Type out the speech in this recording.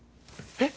えっ？